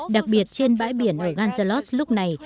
đặc biệt trên bãi biển ở ganjalot lúc này